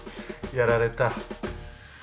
やられた。